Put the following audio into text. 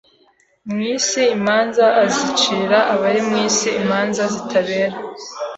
mu isi imanza Azacira abari mu isi imanza zitabera